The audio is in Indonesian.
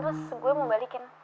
terus gue mau balikin